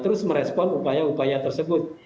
terus merespon upaya upaya tersebut